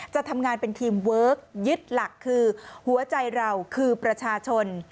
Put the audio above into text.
จะทำงานเป็นทีมเวิร์คยึดหลักคือหัวใจเราคือประชาชน